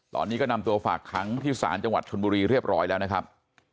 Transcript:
ตอนนี้ก็นำตัวฝากขังที่ศาลจังหวัดชนบุรีเรียบร้อยแล้วนะครับ